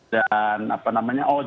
dan apa namanya